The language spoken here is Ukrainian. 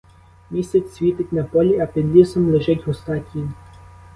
Місяць світить на полі, а під лісом лежить густа тінь.